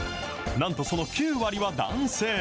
なんとその９割は男性。